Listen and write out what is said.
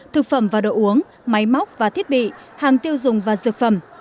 thực phẩm và đồ uống máy móc và thiết bị hàng tiêu dùng và dược phẩm